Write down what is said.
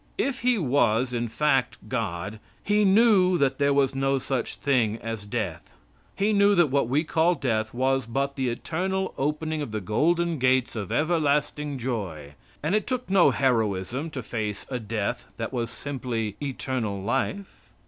If He was, in fact, God, He knew that there was no such thing as death. He knew that what we call death was but the eternal opening of the golden gates of everlasting joy; and it took no heroism to face a death that was simply eternal life.